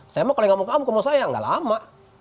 saya mau kalau ngamuk ngamuk mau saya nggak lama